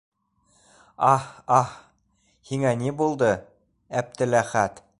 Аһ, аһ... һиңә ни булды, Әптеләхәт?